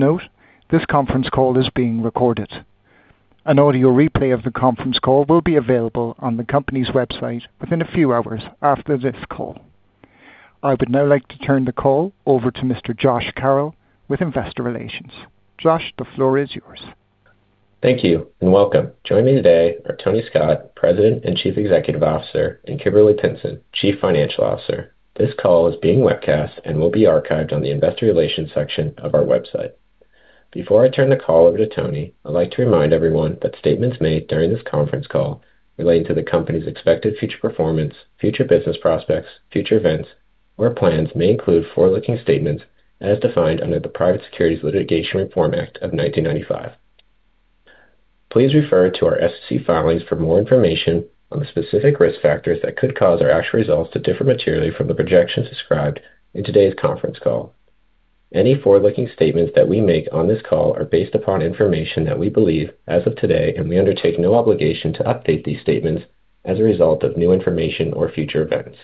Note, this conference call is being recorded. An audio replay of the conference call will be available on the company's website within a few hours after this call. I would now like to turn the call over to Mr. Josh Carroll with Investor Relations. Josh, the floor is yours. Thank you, and welcome. Joining me today are Tony Scott, President and Chief Executive Officer, and Kimberly Pinson, Chief Financial Officer. This call is being webcast and will be archived on the Investor Relations section of our website. Before I turn the call over to Tony, I'd like to remind everyone that statements made during this conference call relating to the company's expected future performance, future business prospects, future events, or plans may include forward-looking statements as defined under the Private Securities Litigation Reform Act of 1995. Please refer to our SEC filings for more information on the specific risk factors that could cause our actual results to differ materially from the projections described in today's conference call. Any forward-looking statements that we make on this call are based upon information that we believe as of today, and we undertake no obligation to update these statements as a result of new information or future events.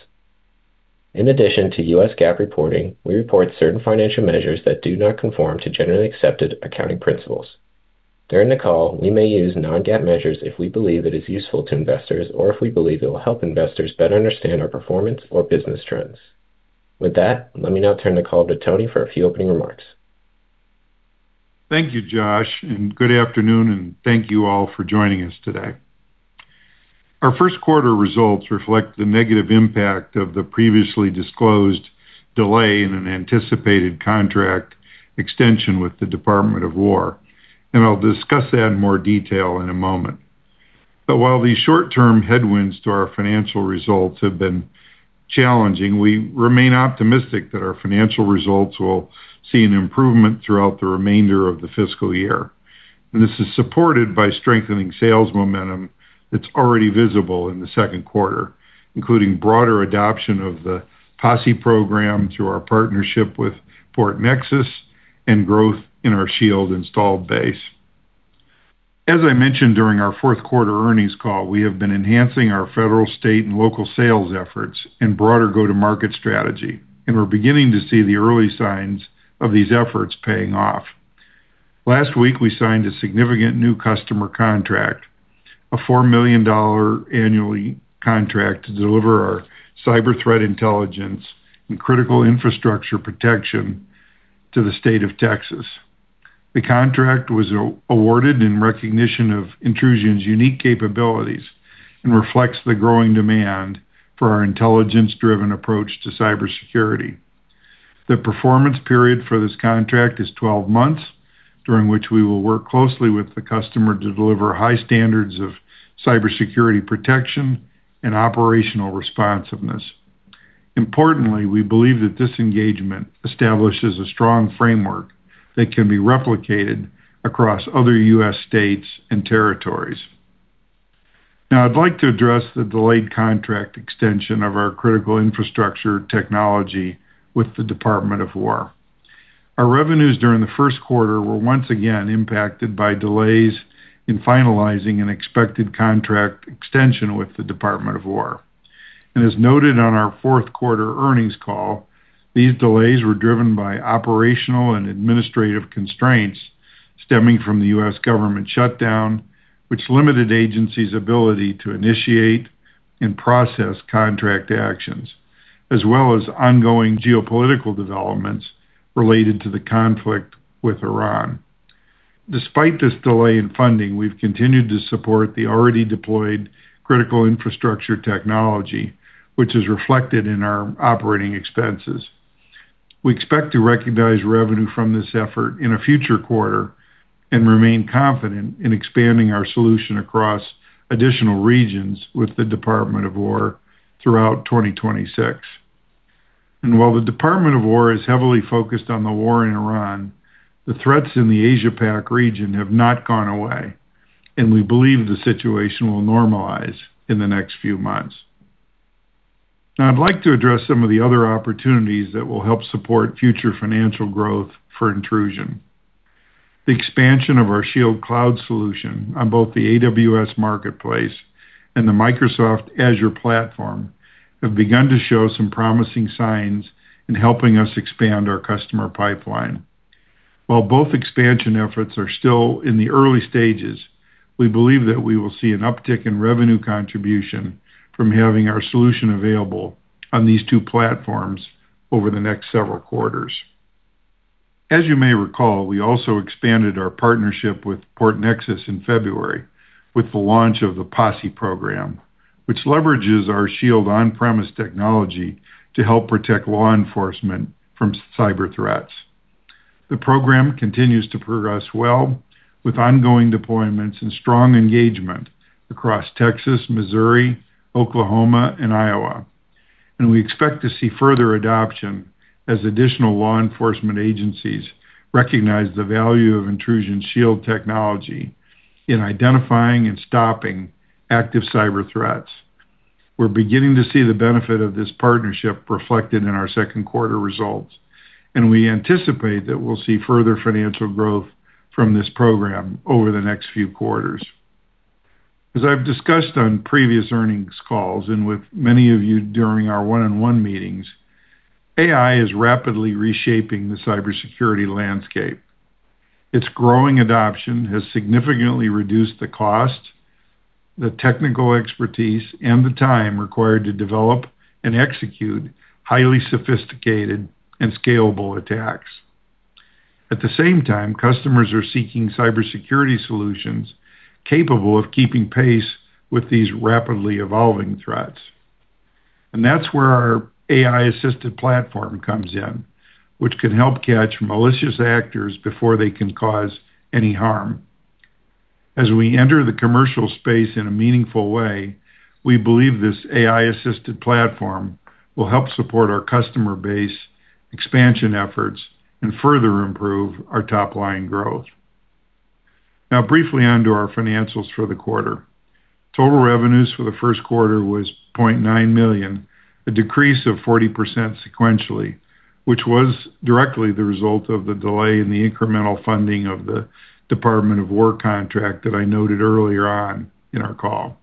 In addition to U.S. GAAP reporting, we report certain financial measures that do not conform to generally accepted accounting principles. During the call, we may use non-GAAP measures if we believe it is useful to investors or if we believe it will help investors better understand our performance or business trends. With that, let me now turn the call to Tony for a few opening remarks. Thank you, Josh, and good afternoon, and thank you all for joining us today. Our first quarter results reflect the negative impact of the previously disclosed delay in an anticipated contract extension with the Department of Defense, and I'll discuss that in more detail in a moment. While these short-term headwinds to our financial results have been challenging, we remain optimistic that our financial results will see an improvement throughout the remainder of the fiscal year. This is supported by strengthening sales momentum that's already visible in the second quarter, including broader adoption of the P.O.S.S.E. program through our partnership with PortNexus and growth in our Shield installed base. As I mentioned during our fourth quarter earnings call, we have been enhancing our federal, state, and local sales efforts and broader go-to-market strategy, and we're beginning to see the early signs of these efforts paying off. Last week, we signed a significant new customer contract, a $4 million annually contract to deliver our cyber threat intelligence and critical infrastructure protection to the state of Texas. The contract was awarded in recognition of Intrusion's unique capabilities and reflects the growing demand for our intelligence-driven approach to cybersecurity. The performance period for this contract is 12 months, during which we will work closely with the customer to deliver high standards of cybersecurity protection and operational responsiveness. Importantly, we believe that this engagement establishes a strong framework that can be replicated across other U.S. states and territories. Now I'd like to address the delayed contract extension of our critical infrastructure technology with the Department of Defense. Our revenues during the first quarter were once again impacted by delays in finalizing an expected contract extension with the Department of Defense. As noted on our fourth quarter earnings call, these delays were driven by operational and administrative constraints stemming from the U.S. government shutdown, which limited agencies' ability to initiate and process contract actions, as well as ongoing geopolitical developments related to the conflict with Iran. Despite this delay in funding, we've continued to support the already deployed critical infrastructure technology, which is reflected in our operating expenses. We expect to recognize revenue from this effort in a future quarter and remain confident in expanding our solution across additional regions with the Department of Defense throughout 2026. While the Department of Defense is heavily focused on the war in Iran, the threats in the Asia-PAC region have not gone away, and we believe the situation will normalize in the next few months. Now I'd like to address some of the other opportunities that will help support future financial growth for Intrusion. The expansion of our ShieldCloud solution on both the AWS Marketplace and the Microsoft Azure platform have begun to show some promising signs in helping us expand our customer pipeline. While both expansion efforts are still in the early stages, we believe that we will see an uptick in revenue contribution from having our solution available on these two platforms over the next several quarters. As you may recall, we also expanded our partnership with PortNexus in February with the launch of the P.O.S.S.E. program, which leverages our Shield on-premise technology to help protect law enforcement from cyber threats. The program continues to progress well with ongoing deployments and strong engagement across Texas, Missouri, Oklahoma, and Iowa. We expect to see further adoption as additional law enforcement agencies recognize the value of Intrusion Shield technology in identifying and stopping active cyber threats. We're beginning to see the benefit of this partnership reflected in our second quarter results, and we anticipate that we'll see further financial growth from this program over the next few quarters. As I've discussed on previous earnings calls and with many of you during our one-on-one meetings, AI is rapidly reshaping the cybersecurity landscape. Its growing adoption has significantly reduced the cost, the technical expertise, and the time required to develop and execute highly sophisticated and scalable attacks. At the same time, customers are seeking cybersecurity solutions capable of keeping pace with these rapidly evolving threats. That's where our AI-assisted platform comes in, which can help catch malicious actors before they can cause any harm. As we enter the commercial space in a meaningful way, we believe this AI-assisted platform will help support our customer base expansion efforts and further improve our top line growth. Briefly onto our financials for the quarter. Total revenues for the first quarter was $0.9 million, a decrease of 40% sequentially, which was directly the result of the delay in the incremental funding of the Department of Defense contract that I noted earlier on in our call.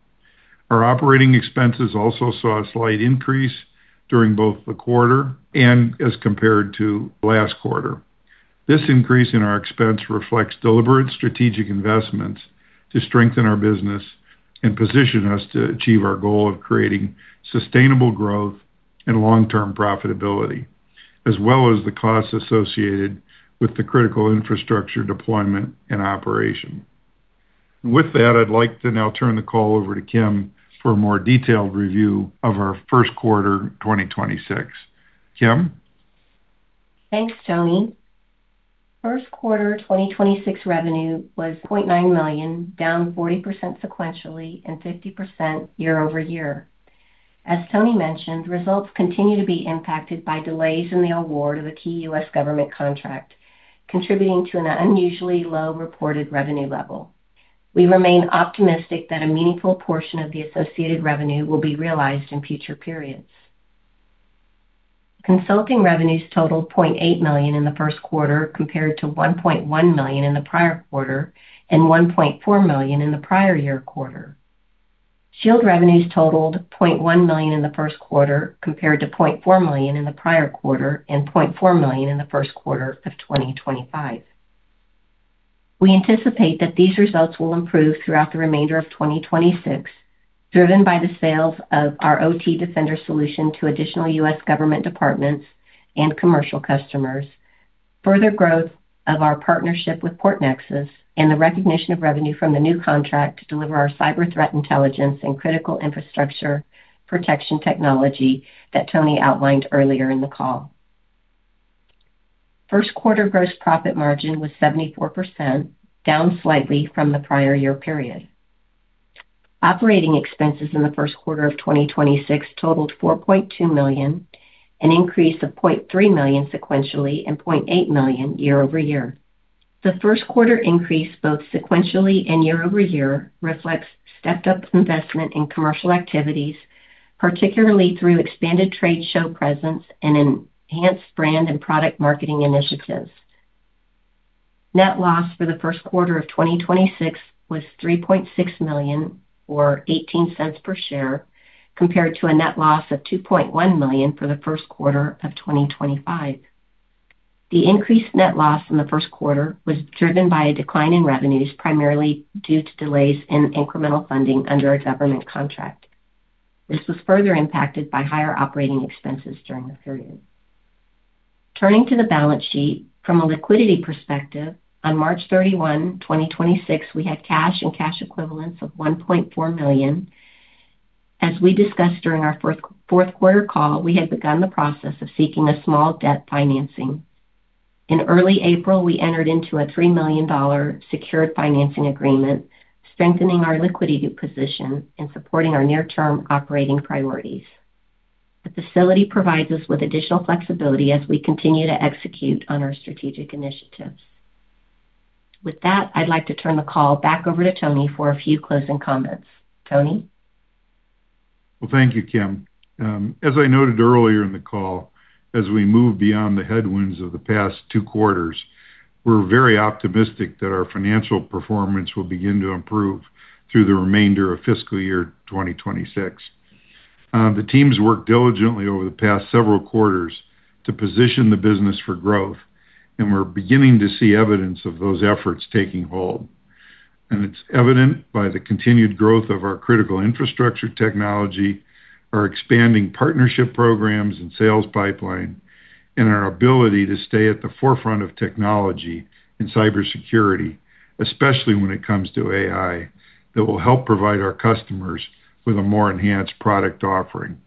Our operating expenses also saw a slight increase during both the quarter and as compared to last quarter. This increase in our expense reflects deliberate strategic investments to strengthen our business and position us to achieve our goal of creating sustainable growth and long-term profitability, as well as the costs associated with the critical infrastructure deployment and operation. With that, I'd like to now turn the call over to Kim for a more detailed review of our first quarter 2026. Kim. Thanks, Tony. First quarter 2026 revenue was $0.9 million, down 40% sequentially and 50% YoY. As Tony mentioned, results continue to be impacted by delays in the award of a key U.S. government contract, contributing to an unusually low reported revenue level. We remain optimistic that a meaningful portion of the associated revenue will be realized in future periods. Consulting revenues totaled $0.8 million in the first quarter, compared to $1.1 million in the prior quarter and $1.4 million in the prior year quarter. Shield revenues totaled $0.1 million in the first quarter, compared to $0.4 million in the prior quarter and $0.4 million in the first quarter of 2025. We anticipate that these results will improve throughout the remainder of 2026, driven by the sales of our OT Defender solution to additional U.S. government departments and commercial customers, further growth of our partnership with PortNexus, and the recognition of revenue from the new contract to deliver our cyber threat intelligence and critical infrastructure protection technology that Tony outlined earlier in the call. First quarter gross profit margin was 74%, down slightly from the prior year period. Operating expenses in the first quarter of 2026 totaled $4.2 million, an increase of $0.3 million sequentially and $0.8 million YoY. The first quarter increase, both sequentially and YoY, reflects stepped-up investment in commercial activities, particularly through expanded trade show presence and enhanced brand and product marketing initiatives. Net loss for the first quarter of 2026 was $3.6 million, or $0.18 per share, compared to a net loss of $2.1 million for the first quarter of 2025. The increased net loss in the first quarter was driven by a decline in revenues, primarily due to delays in incremental funding under a government contract. This was further impacted by higher operating expenses during the period. Turning to the balance sheet. From a liquidity perspective, on March 31st, 2026, we had cash and cash equivalents of $1.4 million. As we discussed during our fourth quarter call, we had begun the process of seeking a small debt financing. In early April, we entered into a $3 million secured financing agreement, strengthening our liquidity position and supporting our near-term operating priorities. The facility provides us with additional flexibility as we continue to execute on our strategic initiatives. With that, I'd like to turn the call back over to Tony for a few closing comments. Tony? Thank you, Kim. As I noted earlier in the call, as we move beyond the headwinds of the past 2 quarters, we're very optimistic that our financial performance will begin to improve through the remainder of fiscal year 2026. The teams worked diligently over the past several quarters to position the business for growth, and we're beginning to see evidence of those efforts taking hold. It's evident by the continued growth of our critical infrastructure technology, our expanding partnership programs and sales pipeline, and our ability to stay at the forefront of technology in cybersecurity, especially when it comes to AI, that will help provide our customers with a more enhanced product offering.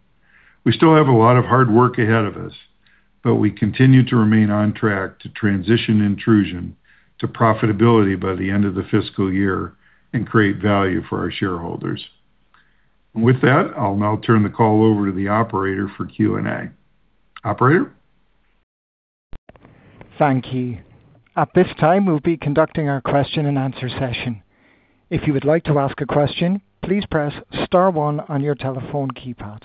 We still have a lot of hard work ahead of us, but we continue to remain on track to transition Intrusion to profitability by the end of the fiscal year and create value for our shareholders. With that, I'll now turn the call over to the operator for Q&A. Operator? Thank you. At this time, we'll be conducting our question and answer session. If you would like to ask a question, please press star one on your telephone keypad.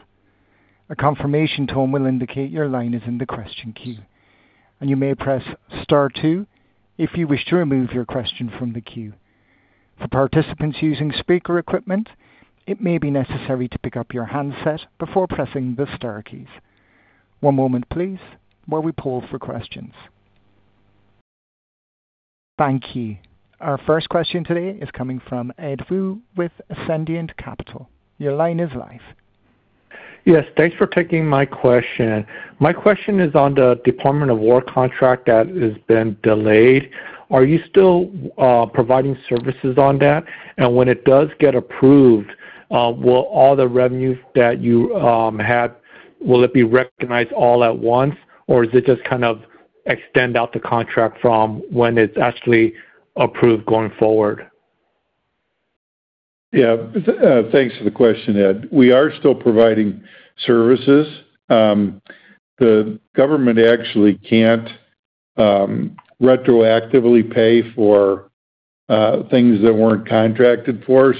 A confirmation tone will indicate your line is in the question queue, and you may press star two if you wish to remove your question from the queue. For participants using speaker equipment, it may be necessary to pick up your handset before pressing the star keys. One moment please while we poll for questions. Thank you. Our first question today is coming from Ed Woo with Ascendiant Capital. Your line is live. Yes, thanks for taking my question. My question is on the Department of Defense contract that has been delayed. Are you still providing services on that? When it does get approved, will all the revenues that you had, will it be recognized all at once? Is it just kind of extend out the contract from when it's actually approved going forward? Yeah, thanks for the question, Ed. We are still providing services. The government actually can't retroactively pay for things that weren't contracted for.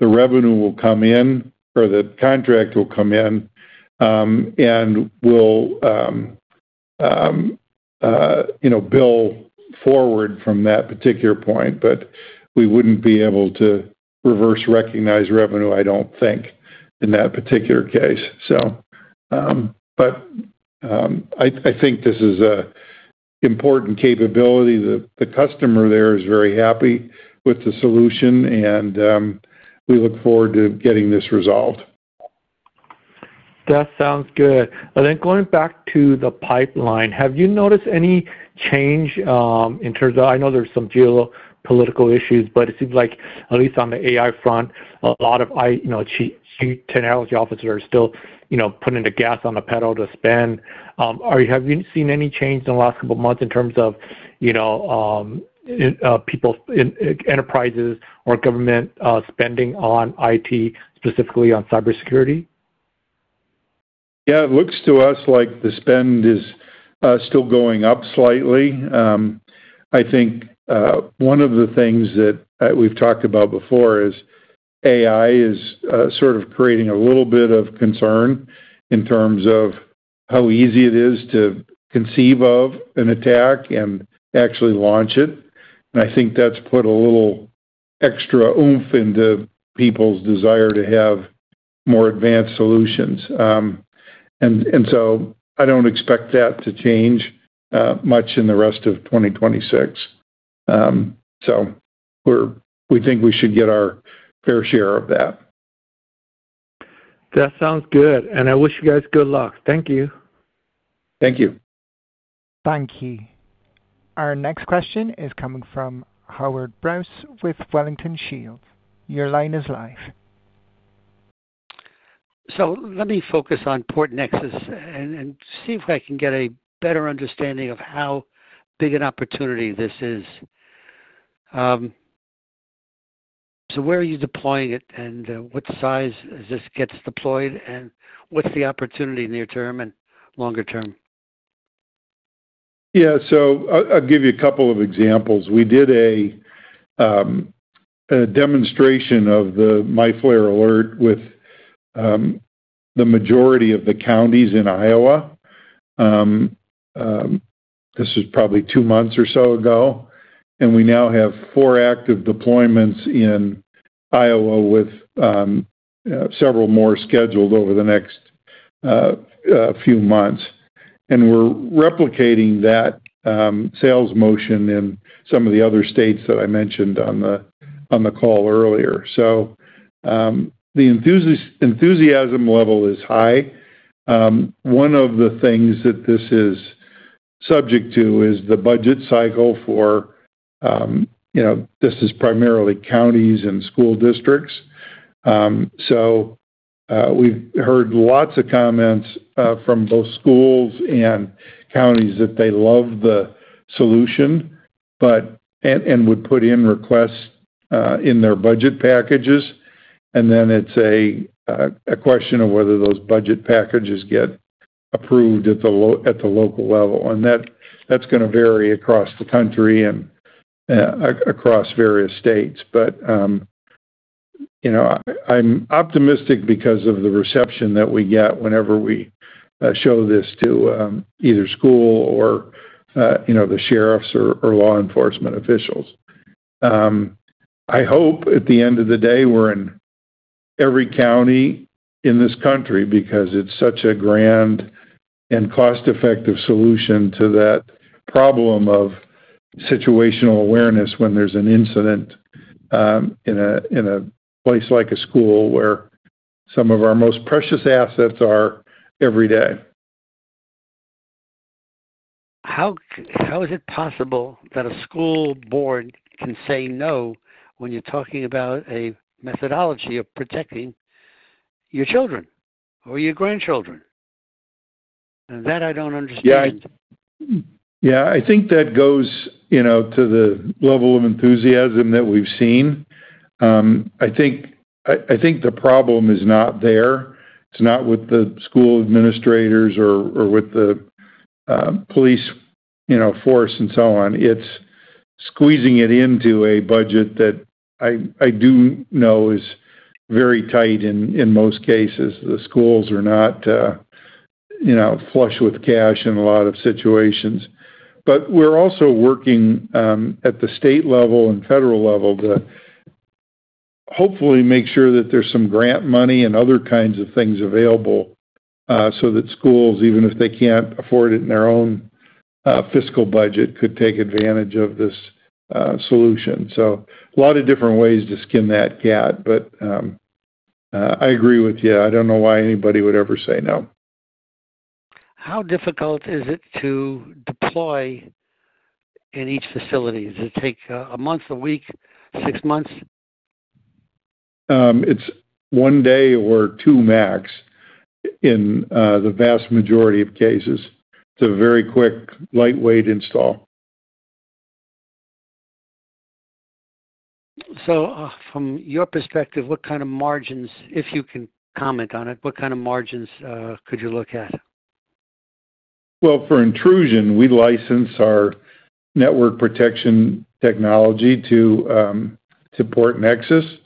The revenue will come in or the contract will come in, and we'll, you know, bill forward from that particular point, but we wouldn't be able to reverse recognize revenue, I don't think, in that particular case. I think this is an important capability. The customer there is very happy with the solution and we look forward to getting this resolved. That sounds good. Then going back to the pipeline, have you noticed any change in terms of I know there's some geopolitical issues, but it seems like at least on the AI front, a lot of You know, chief technology officers are still, you know, putting the gas on the pedal to spend. Have you seen any change in the last couple months in terms of, you know, in enterprises or government spending on IT, specifically on cybersecurity? Yeah, it looks to us like the spend is still going up slightly. I think one of the things that we've talked about before is AI is sort of creating a little bit of concern in terms of how easy it is to conceive of an attack and actually launch it. I think that's put a little extra oomph into people's desire to have more advanced solutions. I don't expect that to change much in the rest of 2026. We think we should get our fair share of that. That sounds good, and I wish you guys good luck. Thank you. Thank you. Thank you. Our next question is coming from Howard Brous with Wellington Shields. Your line is live. Let me focus on PortNexus and see if I can get a better understanding of how big an opportunity this is. Where are you deploying it, and what size does this get deployed? What's the opportunity near term and longer term? Yeah. I'll give you a couple of examples. We did a demonstration of the MyFlare Alert with the majority of the counties in Iowa. This was probably two months or so ago, we now have four active deployments in Iowa with several more scheduled over the next few months. We're replicating that sales motion in some of the other states that I mentioned on the call earlier. The enthusiasm level is high. One of the things that this is subject to is the budget cycle for, you know, this is primarily counties and school districts. We've heard lots of comments from both schools and counties that they love the solution, and would put in requests in their budget packages, and then it's a question of whether those budget packages get approved at the local level. That's gonna vary across the country and across various states. You know, I'm optimistic because of the reception that we get whenever we show this to either school or, you know, the sheriffs or law enforcement officials. I hope at the end of the day, we're in every county in this country because it's such a grand and cost-effective solution to that problem of situational awareness when there's an incident in a, in a place like a school where some of our most precious assets are every day. How is it possible that a school board can say no when you're talking about a methodology of protecting your children or your grandchildren? Now that I don't understand. Yeah. Yeah, I think that goes, you know, to the level of enthusiasm that we've seen. I think the problem is not there. It's not with the school administrators or with the police, you know, force and so on. It's squeezing it into a budget that I do know is very tight in most cases. The schools are not, you know, flush with cash in a lot of situations. We're also working at the state level and federal level to hopefully make sure that there's some grant money and other kinds of things available so that schools, even if they can't afford it in their own fiscal budget, could take advantage of this solution. A lot of different ways to skin that cat. I agree with you. I don't know why anybody would ever say no. How difficult is it to deploy in each facility? Does it take, one month, one week, six months? It's one day or two max in the vast majority of cases. It's a very quick, lightweight install. From your perspective, what kind of margins, if you can comment on it, what kind of margins, could you look at? For Intrusion, we license our network protection technology to PortNexus.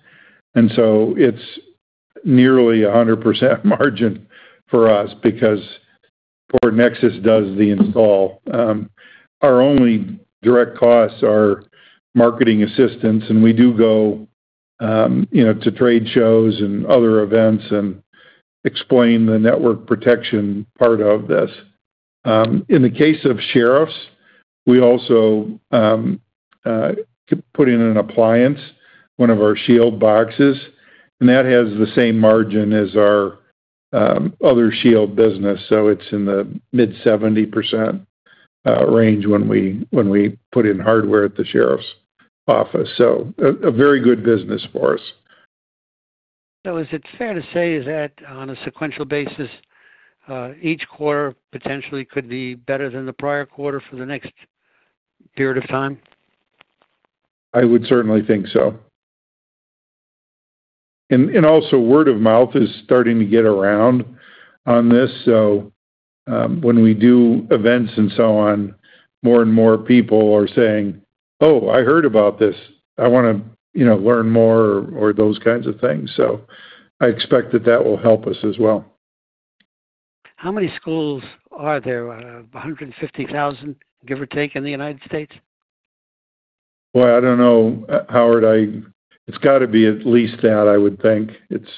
It's nearly a 100% margin for us because PortNexus does the install. Our only direct costs are marketing assistance, and we do go, you know, to trade shows and other events and explain the network protection part of this. In the case of sheriffs, we also put in an appliance, one of our Shield boxes, and that has the same margin as our other Shield business, so it's in the mid-70% range when we put in hardware at the sheriff's office. A very good business for us. Is it fair to say is that on a sequential basis, each quarter potentially could be better than the prior quarter for the next period of time? I would certainly think so. And also word of mouth is starting to get around on this, so, when we do events and so on, more and more people are saying, "Oh, I heard about this. I wanna, you know, learn more," or those kinds of things. I expect that that will help us as well. How many schools are there? 150,000, give or take, in the United States? Boy, I don't know, Howard. It's gotta be at least that, I would think. It's,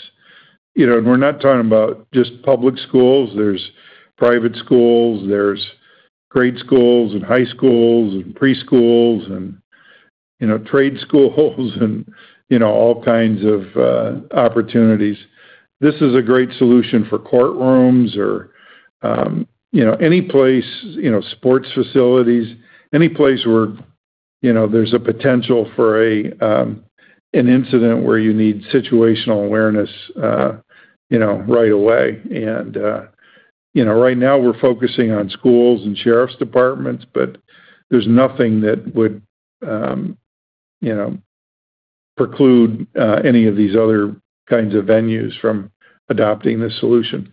you know, and we're not talking about just public schools. There's private schools, there's grade schools and high schools and preschools and, you know, trade schools, and, you know, all kinds of opportunities. This is a great solution for courtrooms or, you know, any place, you know, sports facilities, any place where, you know, there's a potential for an incident where you need situational awareness, you know, right away. You know, right now we're focusing on schools and sheriff's departments, but there's nothing that would, you know, preclude any of these other kinds of venues from adopting this solution.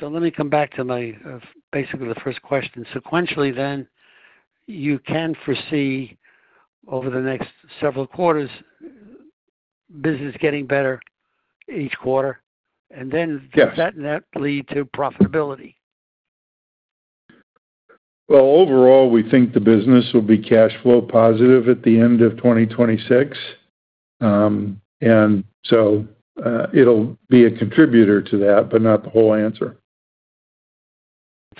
Let me come back to my, basically the first question. Sequentially then, you can foresee over the next several quarters business getting better each quarter. Yes. Does that net lead to profitability? Well, overall, we think the business will be cash flow positive at the end of 2026. It'll be a contributor to that, but not the whole answer.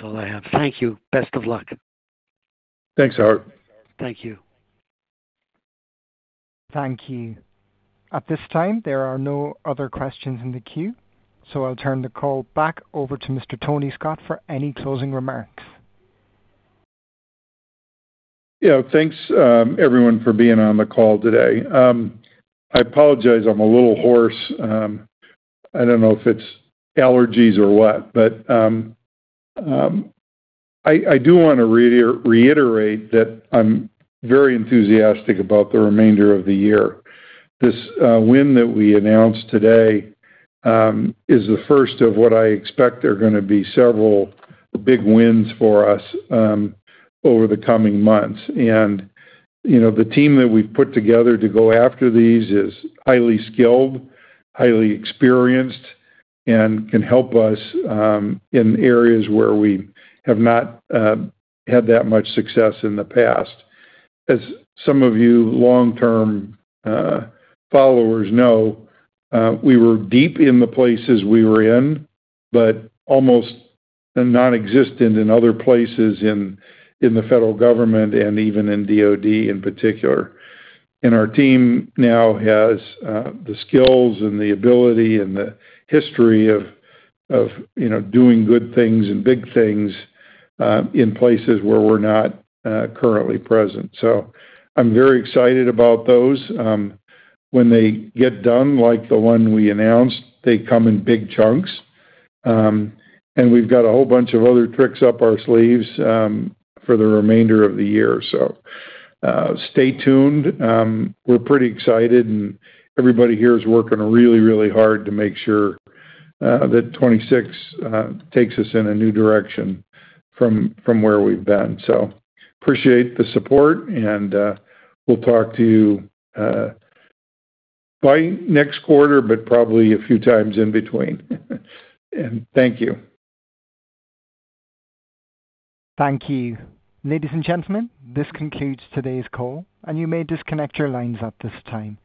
That's all I have. Thank you. Best of luck. Thanks, Howard. Thank you. Thank you. At this time, there are no other questions in the queue. I'll turn the call back over to Mr. Tony Scott for any closing remarks. Thanks, everyone for being on the call today. I apologize I'm a little hoarse. I don't know if it's allergies or what, but I do wanna reiterate that I'm very enthusiastic about the remainder of the year. This win that we announced today is the first of what I expect are gonna be several big wins for us over the coming months. You know, the team that we've put together to go after these is highly skilled, highly experienced, and can help us in areas where we have not had that much success in the past. As some of you long-term followers know, we were deep in the places we were in, but almost non-existent in other places in the federal government and even in DOD in particular. Our team now has the skills and the ability and the history of, you know, doing good things and big things in places where we're not currently present. I'm very excited about those. When they get done, like the one we announced, they come in big chunks. We've got a whole bunch of other tricks up our sleeves for the remainder of the year. Stay tuned. We're pretty excited, and everybody here is working really, really hard to make sure that 2026 takes us in a new direction from where we've been. Appreciate the support, we'll talk to you by next quarter, but probably a few times in between. Thank you. Thank you. Ladies and gentlemen, this concludes today's call, and you may disconnect your lines at this time.